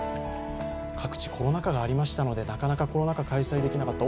各地、コロナ禍がありましたので、なかなかコロナ禍で開催されなかった。